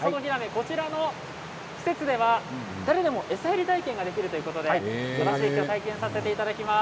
こちらの施設では誰でも餌やり体験ができるということで体験させていただきます。